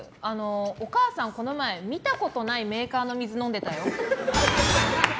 お母さん、この前見たことないメーカーの水飲んでたよ。